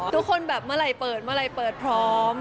ทุกคนแบบเมื่อไหร่เปิดเมื่อไหร่เปิดพร้อม